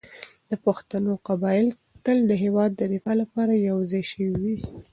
د پښتنو قبایل تل د هېواد د دفاع لپاره يو ځای شوي دي.